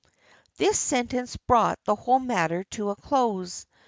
This sentence brought the whole matter to a close.